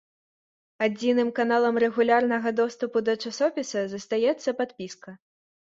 Адзіным каналам рэгулярнага доступу да часопіса застаецца падпіска.